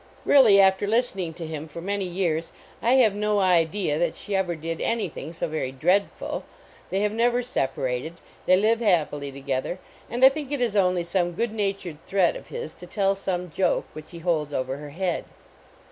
Really, after listening to him for many years, I have no idea that she ever did any thing so very dreadful. They have IK UT separated; they live happily together; and I think it is only some good natured threat of his to tell some joke which ho holds over her head.